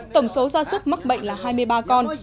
tổng số gia súc mắc bệnh là hai mươi ba con